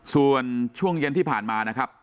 ส่วนช่วงเย็นที่ผ่านมานะครับ